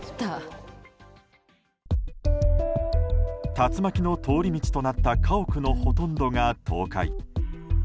竜巻の通り道となった家屋のほとんどが倒壊。